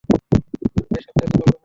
ব্যাসার্ধকে বর্গ করো।